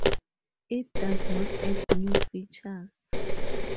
It does not add new features.